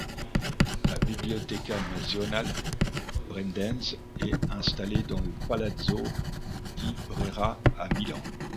La Biblioteca nazionale Braidense est installée dans le Palazzo di Brera à Milan.